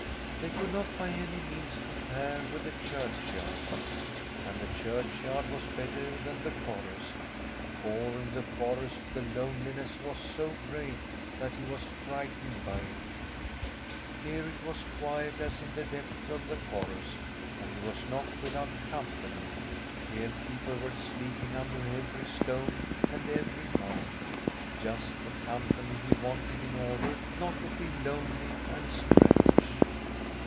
They could not by any means compare with the churchyard. And the churchyard was better than the forest, for ^ forest the loneliness was so great that brightened by it. Here it was quiet, as (36] Tbi STORY of a COUNTRY HOUSE in the depths of the forest; but he was not without company. Here people were sleeping under every stone and every mound; just the company he wanted in order not to feel lonely and strange.